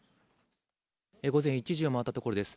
午前１時を回ったところです。